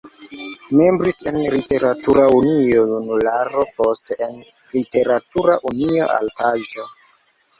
Membris en Literatura Unio "Junularo", poste en Literatura unio "Altaĵo".